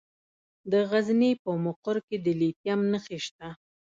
د غزني په مقر کې د لیتیم نښې شته.